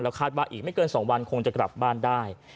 คาดว่าอีกไม่เกิน๒วันคงจะกลับบ้านได้